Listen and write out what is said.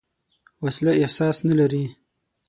وسله احساس نه لري